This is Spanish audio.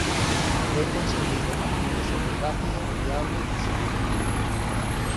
Fue concebido a fin de ser rápido, fiable, y seguro.